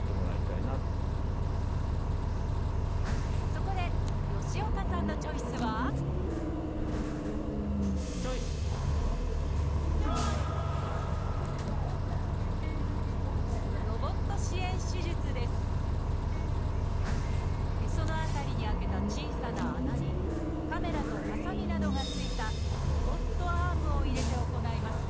そこで吉岡さんのチョイスはチョイス！へその辺りに開けた小さな穴にカメラとはさみなどが付いたロボットアームを入れて行います